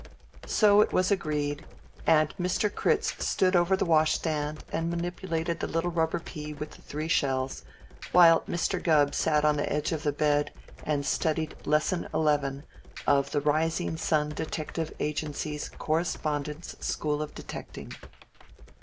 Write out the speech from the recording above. So it was agreed, and Mr. Critz stood over the washstand and manipulated the little rubber pea and the three shells, while Mr. Gubb sat on the edge of the bed and studied Lesson Eleven of the "Rising Sun Detective Agency's Correspondence School of Detecting."